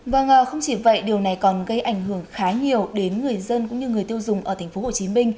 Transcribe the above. vâng không chỉ vậy điều này còn gây ảnh hưởng khá nhiều đến người dân cũng như người tiêu dùng ở tp hcm